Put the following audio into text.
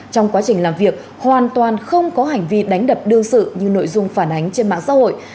trong quá trình làm việc hoàn toàn không có hành vi đánh đập đương sự như nội dung phản ánh trên mạng xã hội